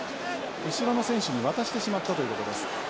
後ろの選手に渡してしまったということです。